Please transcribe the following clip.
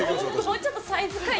もうちょっとサイズ感